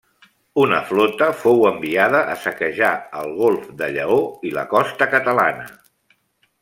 Una flota fou enviada a saquejar el golf de Lleó i la costa catalana.